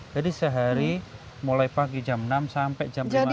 jadi sehari mulai pagi jam enam sampai jam lima sore